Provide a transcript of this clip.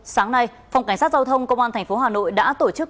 sáng nay phòng cảnh sát giao thông công an tp hà nội đã tổ chức